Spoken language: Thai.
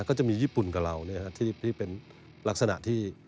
ก็จะมีญี่ปุ่นกับเราที่เป็นลักษณะที่